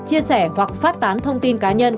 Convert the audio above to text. chia sẻ hoặc phát tán thông tin cá nhân